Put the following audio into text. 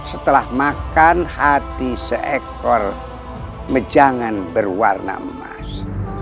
setelah makan hati seekor mejangan berwarna emas